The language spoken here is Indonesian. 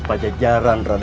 pada jalan rai